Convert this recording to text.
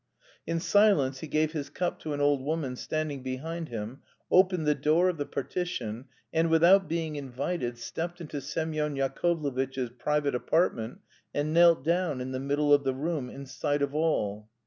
In silence he gave his cup to an old woman standing behind him, opened the door of the partition, and, without being invited, stepped into Semyon Yakovlevitch's private apartment, and knelt down in the middle of the room in sight of all.